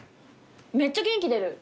めっちゃ元気出る！